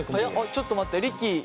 ちょっと待ってリッキー。